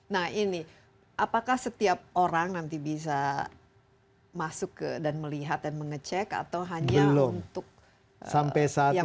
nah ini apakah setiap orang nanti bisa masuk ke dan melihat dan mengecek atau hanya untuk sampai yang